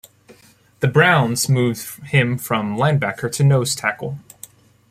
The Browns moved him from Linebacker to Nose Tackle.